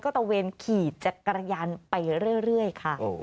ตะเวนขี่จักรยานไปเรื่อยค่ะ